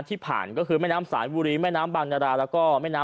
ที่ผ่านก็คือแม่น้ำสายบุรีแม่น้ำบางนาราแล้วก็แม่น้ำ